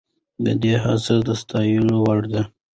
د ده هڅې د ستایلو وړ دي.